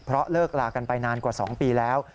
เพราะเลิกลากันไปนานกว่า๒ปีแล้ว